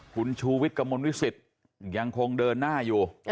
คุณชูวิทย์กระมวลวิสิตยังคงเดินหน้าอยู่